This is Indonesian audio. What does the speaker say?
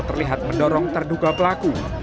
terlihat mendorong terduga pelaku